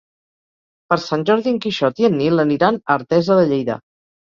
Per Sant Jordi en Quixot i en Nil aniran a Artesa de Lleida.